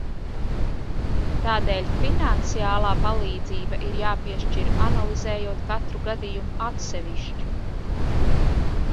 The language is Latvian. Tādēļ finansiālā palīdzība ir jāpiešķir, analizējot katru gadījumu atsevišķi.